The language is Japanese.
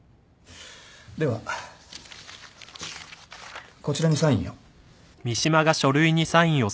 ではこちらにサインを。